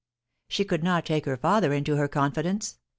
She could not take her father into her confidence.